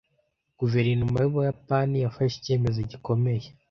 Guverinoma y’Ubuyapani yafashe icyemezo gikomeye.